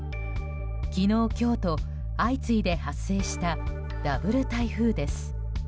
昨日、今日と相次いで発生したダブル台風です。